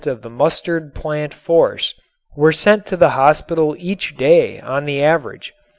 of the mustard plant force were sent to the hospital each day on the average.